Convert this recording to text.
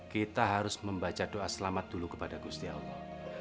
kita harus membaca doa selamat dulu kepada gusti allah